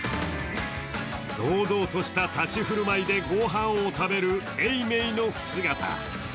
堂々とした立ち居振る舞いでご飯を食べる永明の姿。